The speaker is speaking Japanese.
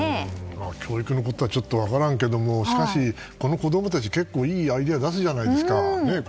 まあ、教育のことはちょっと分からんけれどもしかし子供たち、結構いいアイデア出すじゃないですか。